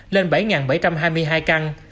lên bảy bảy trăm hai mươi hai căn